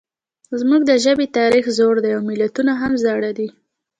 زموږ د ژبې تاریخ زوړ دی او متلونه هم زاړه دي